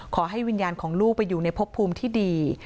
ขอให้วิญญาณของลูกไปอยู่ในพบภูมิที่ดี